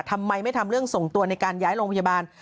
ทำไมไม่ทำเรื่องส่งตัวในการย้ายโรงพยาบาล